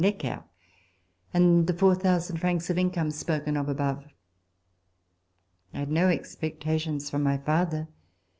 Necker, and the 4,000 francs of income spoken of above. I had no expecta tions from my father.